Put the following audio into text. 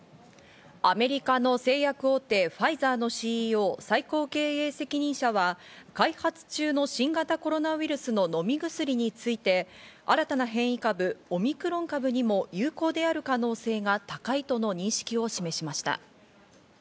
アメリカの製薬大手ファイザーのＣＥＯ＝最高経営責任者は、開発中の新型コロナウイルスの飲み薬について新たな変異株、オミクロン株にも有効である可能性が高いとの認識を示しました。